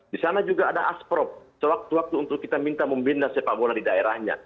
di sana juga ada asprop sewaktu waktu untuk kita minta membina sepak bola di daerahnya